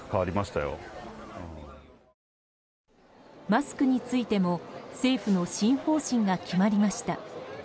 マスクについても政府の新方針が決まりました。